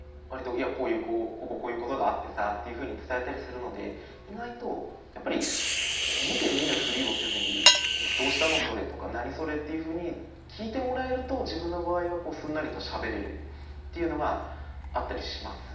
「いやこういうこうこうこういうことがあってさ」っていうふうに伝えたりするので意外とやっぱり見て見ぬふりをせずに「どうしたの？それ」とか「何？それ」っていうふうに聞いてもらえると自分の場合はすんなりとしゃべれるっていうのがあったりしますね。